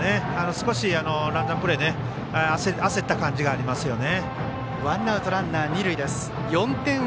少しランナープレーで焦った感じがありますよね。